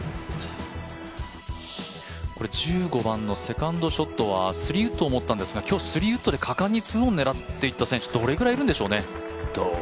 １５番のセカンドショットはスリーウッドを持ったんですが今日、スリーウッドで果敢に２オン狙っていった選手どれぐらいいるんでしょうね。